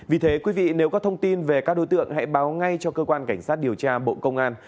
vì thế quý vị nếu có thông tin về các đối tượng hãy báo ngay cho cơ quan cảnh sát điều tra bộ công an